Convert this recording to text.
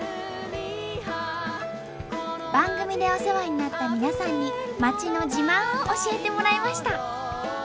番組でお世話になった皆さんに町の自慢を教えてもらいました！